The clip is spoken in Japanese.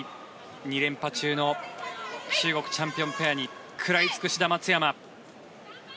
２連覇中の中国チャンピオンペアに食らいつく志田・松山。